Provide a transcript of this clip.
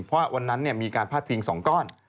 เพราะวันนั้นมีการพาดพิง๒ก้อน